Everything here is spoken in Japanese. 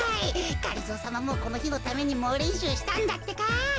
がりぞーさまもこのひのためにもうれんしゅうしたんだってか。